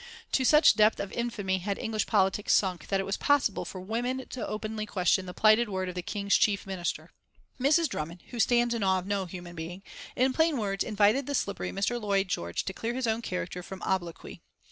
To such depth of infamy had English politics sunk that it was possible for women openly to question the plighted word of the King's chief Minister! Mrs. Drummond, who stands in awe of no human being, in plain words invited the slippery Mr. Lloyd George to clear his own character from obloquy.